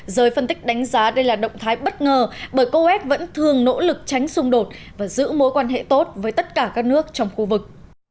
giới phân tích đánh giá đây là động thái bất ngờ bởi coes vẫn thường nỗ lực tránh xung đột và giữ mối quan hệ tốt với tất cả các nước trong khu vực